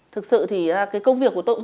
thực sự thì công việc của tôi